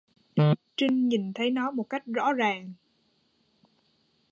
Trinh nhìn thấy nó một cách rõ ràng